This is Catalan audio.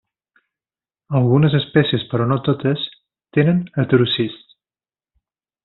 Algunes espècies però no totes tenen heterocists.